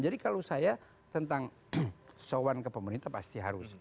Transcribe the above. jadi kalau saya tentang soan ke pemerintah pasti harus